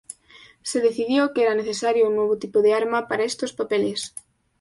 Se decidió que era necesario un nuevo tipo de arma para estos papeles.